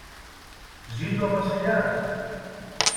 Ζήτω ο Βασιλιάς!